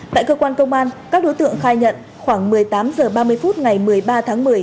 tại cơ quan công an các đối tượng khai nhận khoảng một mươi tám h ba mươi phút ngày một mươi ba tháng một mươi